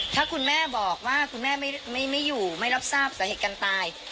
ถ้าคุณแม่บอกว่าคุณแม่ไม่อยู่ไม่รับทราบสาเหตุการณ์ตาย